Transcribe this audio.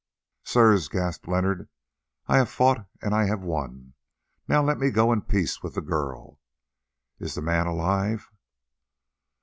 "Sirs," gasped Leonard, "I have fought and I have won. Now let me go in peace with the girl. Is the man alive?"